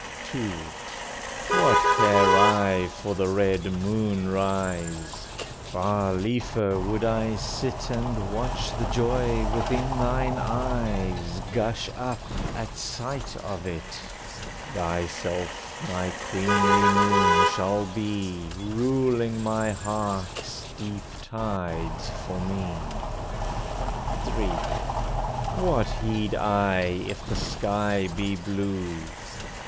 II. What care I for the red moon rise? Far liefer would I sit And watch the joy within thine eyes Gush up at sight of it; Thyself my queenly moon shall be, Ruling my heart's deep tides for me! III. What heed I if the sky be blue?